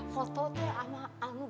foto tuh sama kamu ganteng wai